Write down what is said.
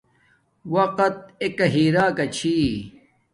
وقت ایک ہیراک چھا